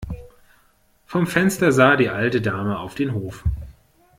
Vom Fenster sah die alte Dame auf den Hof.